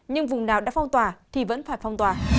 nhưng vùng nào đã phong toàn